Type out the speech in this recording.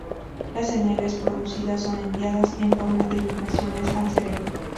Las señales producidas son enviadas en forma de vibraciones al cerebro.